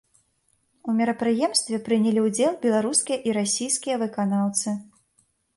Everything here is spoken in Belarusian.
У мерапрыемстве прынялі ўдзел беларускія і расійскія выканаўцы.